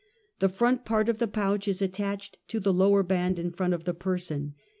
The front part of the pouch is attached to the lower band in front of the person.